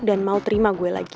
dan mau terima gue lagi